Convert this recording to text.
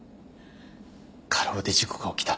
過労で事故が起きた。